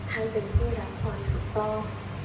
ท่านเป็นผู้รับพ่อถูกต้อง